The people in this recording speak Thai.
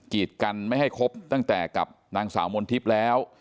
ีดกันไม่ให้คบตั้งแต่กับนางสาวมนทิพย์แล้ว